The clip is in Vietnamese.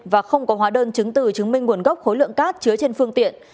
và không có hóa đơn chứng từ chứng minh nguồn gốc khối lượng cát chứa trên phương tiện